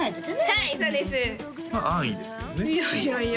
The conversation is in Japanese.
はい